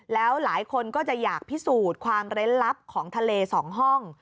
แล้วหลายคนก็จะอยากพิสูจน์ความเร้นลับของทะเล๒ห้อง